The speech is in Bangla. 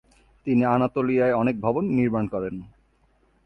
তিনি আনাতোলিয়ায় অনেক ভবন নির্মাণ করেন।